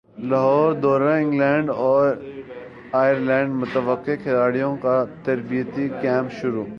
لاہوردورہ England اور ئرلینڈمتوقع کھلاڑیوں کا تربیتی کیمپ شروع